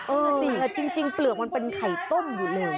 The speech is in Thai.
สิจริงเปลือกมันเป็นไข่ต้มอยู่เลย